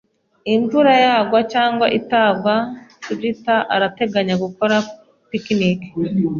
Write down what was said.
Imvura yagwa cyangwa itagwa, Fujita arateganya gukora picnic.